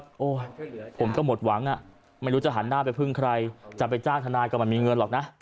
โอ้โหผมก็หมดหวังอ่ะไม่รู้จะหันหน้าไปพึ่งใครจะไปจ้างทนายก็ไม่มีเงินหรอกนะ